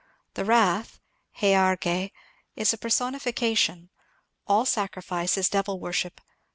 " The Wrath (17 'Opyj^) is a personifi cation. All sacrifice is devil worship.